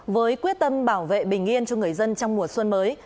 với quyết tâm bảo vệ bình yên cho người dân trong mùa xuân mới